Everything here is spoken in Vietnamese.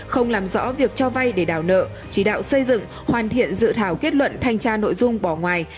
không làm rõ việc cho vay để đào nợ chỉ đạo xây dựng hoàn thiện dự thảo kết luận thanh tra nội dung bỏ ngoài